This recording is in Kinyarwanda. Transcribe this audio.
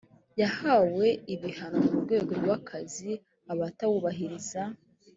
yahawe ibihano mu rwego rw’akazi abatabwubahiriza